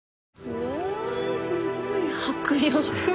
うわすごい迫力